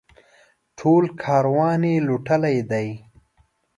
ټول کاروان یې لوټلی دی.